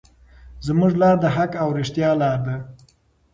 زموږ لار د حق او رښتیا لار ده.